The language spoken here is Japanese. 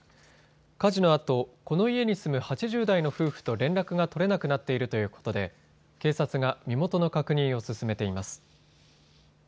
火事のあと、この家に住む８０代の夫婦と連絡が取れなくなっているということで警察が身元の確認を進めています。